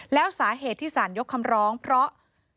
แล้วสาเหตุที่สารยกคำร้องเพราะ